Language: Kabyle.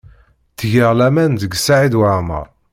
Ttgeɣ laman deg Saɛid Waɛmaṛ.